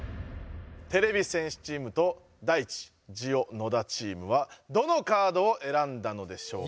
てれび戦士チームとダイチ・ジオ野田チームはどのカードをえらんだのでしょうか。